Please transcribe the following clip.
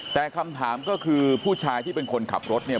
แต่คำถามก็คือผู้ชายที่เป็นคนขับรถเนี่ย